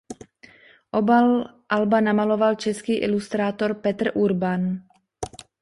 Obal alba namaloval český ilustrátor Petr Urban.